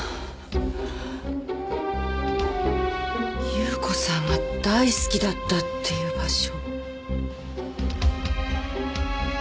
夕子さんが大好きだったっていう場所。